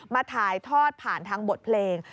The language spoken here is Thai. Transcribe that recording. ถ่ายทอดผ่านทางบทเพลง